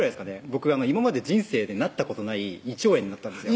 僕今まで人生でなったことない胃腸炎になったんですよ